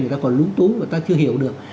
người ta còn lũ túng người ta chưa hiểu được